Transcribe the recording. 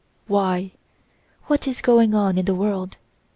Why? What is going on in the world?"